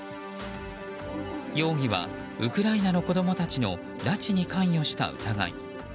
容疑は、ウクライナの子供たちの拉致に関与した疑い。